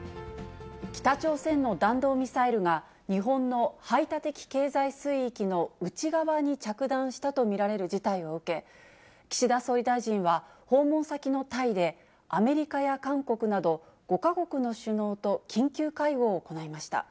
北朝鮮の弾道ミサイルが、日本の排他的経済水域の内側に着弾したと見られる事態を受け、岸田総理大臣は、訪問先のタイでアメリカや韓国など、５か国の首脳と緊急会合を行いました。